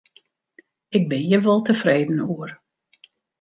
Ik bin hjir wol tefreden oer.